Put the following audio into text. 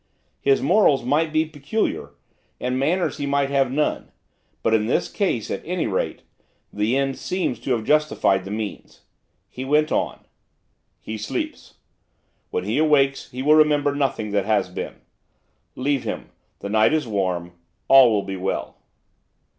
His morals might be peculiar, and manners he might have none, but in this case, at any rate, the end seemed to have justified the means. He went on. 'He sleeps. When he awakes he will remember nothing that has been. Leave him, the night is warm, all will be well.